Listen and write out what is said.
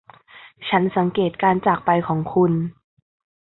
ฉันสังเกตุการจากไปของคุณ